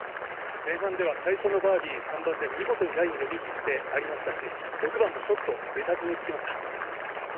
前半では最初のバーディー３番で見事にライン読み切ってありましたし、６番のショット、ベタピンにつきました。